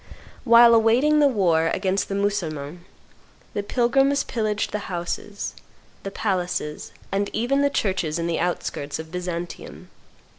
Whilst awaiting the war against the Mussulmans, the pilgrims pillaged the houses, the palaces, and even the churches in the outskirts of Byzantium.